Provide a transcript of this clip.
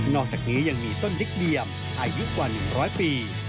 อกจากนี้ยังมีต้นดิกเดียมอายุกว่า๑๐๐ปี